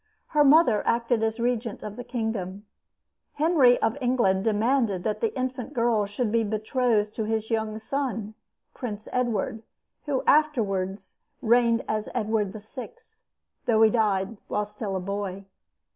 Her mother acted as regent of the kingdom. Henry of England demanded that the infant girl should be betrothed to his young son, Prince Edward, who afterward reigned as Edward VI., though he died while still a boy.